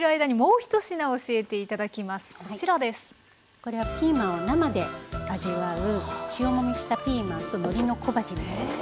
これはピーマンを生で味わう塩もみしたピーマンとのりの小鉢になります。